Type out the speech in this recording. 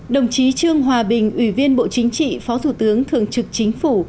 đồng chí trương hòa bình ủy viên bộ chính trị phó thủ tướng thường trực chính phủ